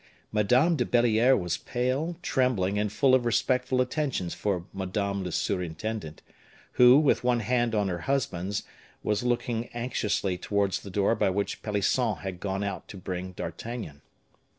Madame de Belliere was pale, trembling, and full of respectful attentions for madame la surintendante, who, with one hand on her husband's, was looking anxiously towards the door by which Pelisson had gone out to bring D'Artagnan.